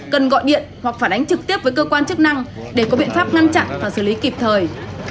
cần gọi điện hoặc phản ánh trực tiếp với cơ quan chức năng để có biện pháp ngăn chặn và xử lý kịp thời